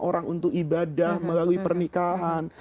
orang untuk ibadah melalui pernikahan